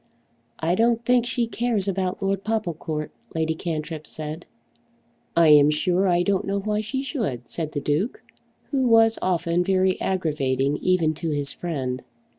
"I don't think she cares about Lord Popplecourt," Lady Cantrip said. "I am sure I don't know why she should," said the Duke, who was often very aggravating even to his friend.